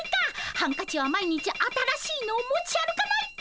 ハンカチは毎日新しいのを持ち歩かないと！